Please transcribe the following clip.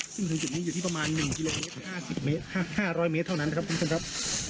ซึ่งตรงจุดนี้อยู่ที่ประมาณ๑กิโลเมตร๕๐๐เมตรเท่านั้นนะครับคุณผู้ชมครับ